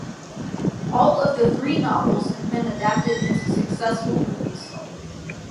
All of the three novels have been adapted into successful movies.